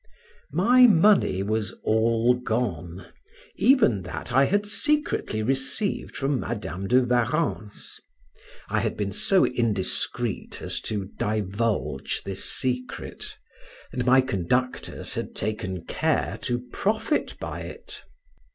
My money was all gone, even that I had secretly received from Madam de Warrens: I had been so indiscreet as to divulge this secret, and my conductors had taken care to profit by it.